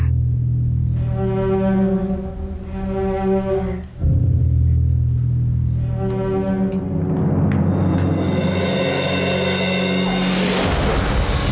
bapak gak marah